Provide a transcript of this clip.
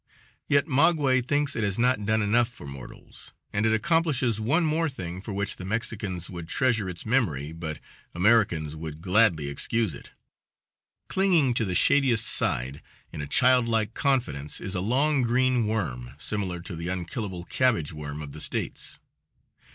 Yet maguey thinks it has not done enough for mortals, and it accomplishes one more thing for which the Mexicans would treasure its memory but Americans would gladly excuse it. Clinging to the shadiest side, in a childlike confidence, is a long green worm, similar to the unkillable cabbage worm of the States.